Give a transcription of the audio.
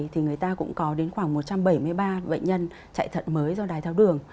thì người ta cũng có đến khoảng một trăm bảy mươi ba bệnh nhân chạy thận mới do đái tháo đường